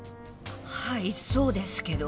はいそうですけど。